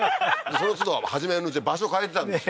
そのつど初めのうちは場所変えてたんですよ